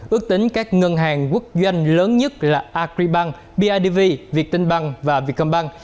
ước tính các ngân hàng quốc doanh lớn nhất là acribank bidv viettinbank và vietcombank